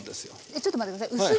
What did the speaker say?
えっちょっと待って下さい。